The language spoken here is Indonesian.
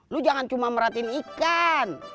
lu jangan cuma merhatiin ikan